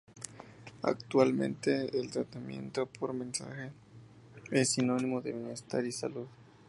Actualmente el tratamiento por masaje es sinónimo de bienestar y salud.